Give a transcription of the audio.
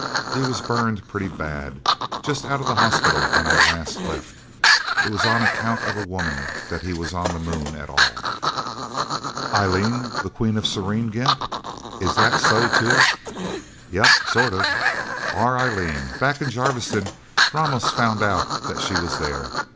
He was burned pretty bad. Just out of the hospital when I last left. It was on account of a woman that he was on the Moon at all." "Eileen, the Queen of Serene? Gimp! is that so, too?" "Yep sort of. Our Eileen. Back in Jarviston, Ramos found out that she was there.